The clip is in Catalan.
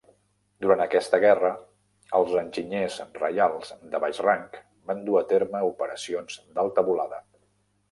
Durant aquesta guerra, els enginyers reials de baix rang van dur a terme operacions d'alta volada.